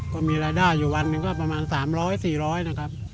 ก็มีรายได้อยู่วันหนึ่งก็ประมาณ๓๐๐๔๐๐นะครับ